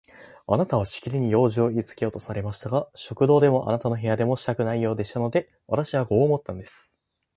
あなたはしきりに用事をいいつけようとされましたが、食堂でもあなたの部屋でもしたくないようでしたので、私はこう思ったんです。